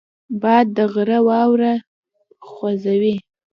باد د غره واورې خوځوي